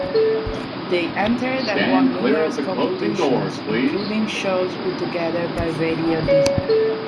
They entered and won numerous competitions, including shows put together by Radio Disney.